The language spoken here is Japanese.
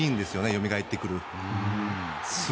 よみがえってくる。